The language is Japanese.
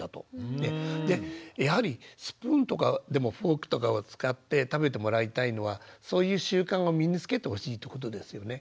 でやはりスプーンとかでもフォークとかを使って食べてもらいたいのはそういう習慣を身につけてほしいってことですよね。